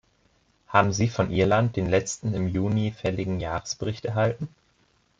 Haben Sie von Irland den letzten im Juni fälligen Jahresbericht erhalten?